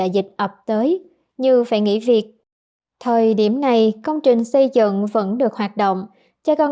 dịch ập tới như phải nghỉ việc thời điểm này công trình xây dựng vẫn được hoạt động cho con